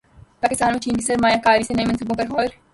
پاکستان میں چین کی سرمایہ کاری سے نئے منصوبوں پر غور